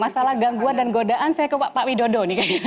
masalah gangguan dan godaan saya ke pak widodo nih